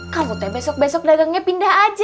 kamu teh besok besok dagangnya pindah aja